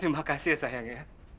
terima kasih ya sayang